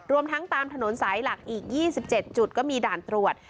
ทั้งตามถนนสายหลักอีก๒๗จุดก็มีด่านตรวจ